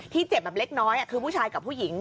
เจ็บแบบเล็กน้อยคือผู้ชายกับผู้หญิง